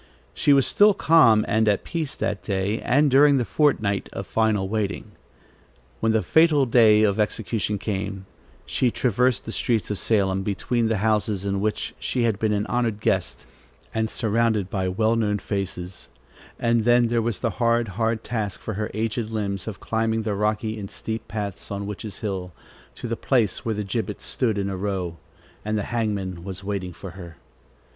She was still calm and at peace that day, and during the fortnight of final waiting. When the fatal day of execution came, she traversed the streets of Salem, between the houses in which she had been an honored guest, and surrounded by well known faces, and then there was the hard, hard task, for her aged limbs, of climbing the rocky and steep path on Witches' Hill to the place where the gibbets stood in a row, and the hangman was waiting for her.